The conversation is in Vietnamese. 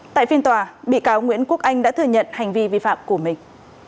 tại phiên tòa bị cáo nguyễn quốc anh đã thừa nhận hành vi vi phạm của mình